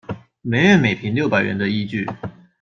每月每坪六百元的依據